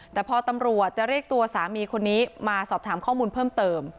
แต่พอตำรวจจะเรียกตัวสามีคนนี้มาสอบถามข้อมูลเพิ่มเติม